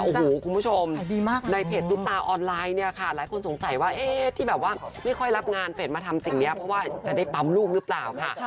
โอ้โหคุณผู้ชมในเพจซุปตาออนไลน์เนี่ยค่ะหลายคนสงสัยว่าเอ๊ะที่แบบว่าไม่ค่อยรับงานเฟสมาทำสิ่งนี้เพราะว่าจะได้ปั๊มลูกหรือเปล่าค่ะ